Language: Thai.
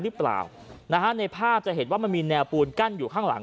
หรือเปล่านะฮะในภาพจะเห็นว่ามันมีแนวปูนกั้นอยู่ข้างหลัง